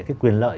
cái quyền lợi